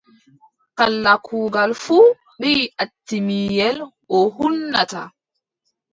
Kala kuugal fuu ɓii atiimiyel o huunata.